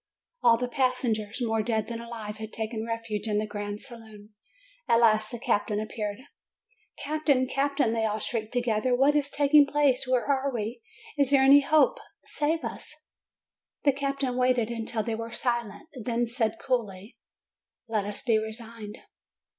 All the passengers, more dead than alive, had taken refuge in the grand saloon. At last the captain ap peared. "Captain! Captain!" they all shrieked together. "What is taking place? Where are we? Is there any hope? Save us!" The captain waited until they were silent, then said coolly; "Let us be resigned."